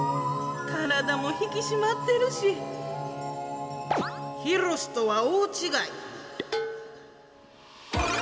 体も引き締まってるし、ヒロシとは大違い。